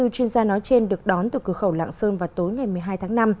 hai mươi chuyên gia nói trên được đón từ cửa khẩu lạng sơn vào tối ngày một mươi hai tháng năm